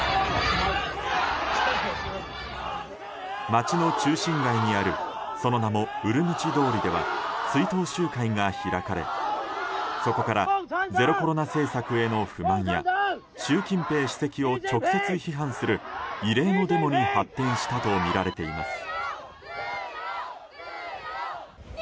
街の中心街にあるその名もウルムチ通りでは追悼集会が開かれ、そこからゼロコロナ政策への不満や習近平主席を直接批判する異例のデモに発展したとみられています。